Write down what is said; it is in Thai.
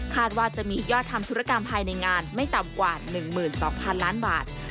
ว่าจะมียอดทำธุรกรรมภายในงานไม่ต่ำกว่า๑๒๐๐๐ล้านบาท